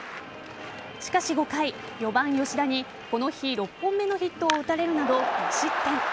しかし５回、４番・吉田にこの日６本目のヒットを打たれるなど２失点。